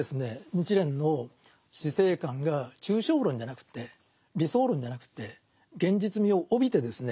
日蓮の死生観が抽象論じゃなくて理想論じゃなくて現実味を帯びてですね